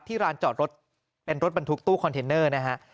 ร้านจอดรถเป็นรถบรรทุกตู้คอนเทนเนอร์นะฮะ